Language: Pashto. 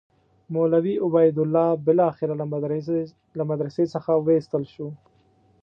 مولوي عبیدالله بالاخره له مدرسې څخه وایستل شو.